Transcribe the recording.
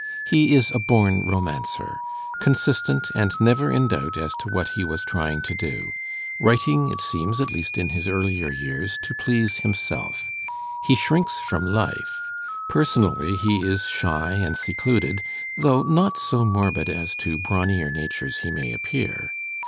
He is a bom romancer, consistent and never in doubt as to what he was trying to do; writing, it seems, at least in his earlier years, to please himself. He shrinks from hfe. Personally he is shy and secluded, though not so morbid as to brawnier natures he may appear.